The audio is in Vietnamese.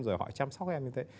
rồi họ chăm sóc em như thế